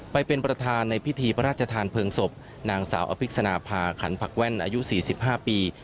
ไปเป็นประธานในพิธีพระราชทานเพลิงศพนางสาวอภิกษณภาขันผักแว่นอายุ๔๕ปี